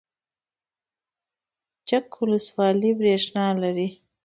چک ولسوالۍ بریښنا لري؟